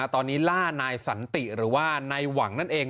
ตอนนี้ล่านายสันติหรือว่านายหวังนั่นเอง